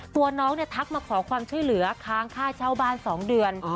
ตัวน้องเนี่ยทักมาขอความช่วยเหลือค้างค่าเช่าบ้าน๒เดือน